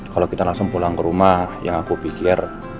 kalau kita langsung pulang ke rumah yang aku pikir